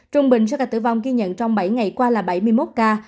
trung bình số ca tử vong ghi nhận trong bảy ngày qua là bảy mươi một ca